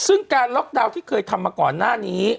ซึ่งการล็อกดาวน์ที่เคยทำมาก่อนหน้านี้